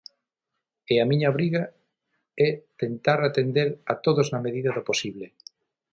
E a miña obriga é tentar atender a todos na medida do posible.